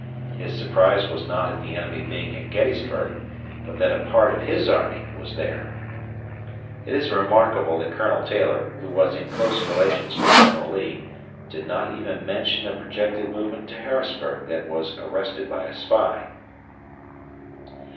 His surprise was not at the enemy being at Gettysburg, but that a part of his army was there. It is remarkable that Colonel Taylor, who was in close relations with General Lee, did not even mention a projected movement to Harrisburg that was arrested by a spy.